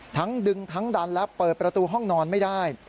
ดึงทั้งดันและเปิดประตูห้องนอนไม่ได้